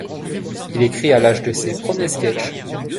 Il écrit à l'âge de ses premiers sketchs.